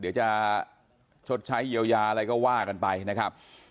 เดี๋ยวจะชดใช้เยียวยาอะไรก็ว่ากันไปนะครับ